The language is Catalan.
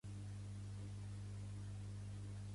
El català molesta perquè no es veu com una riquesa